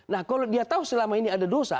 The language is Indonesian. nah kalau dia tahu selama ini ada dosa